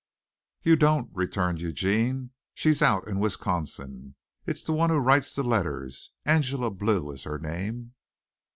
"You don't," returned Eugene. "She's out in Wisconsin. It's the one who writes the letters. Angela Blue is her name."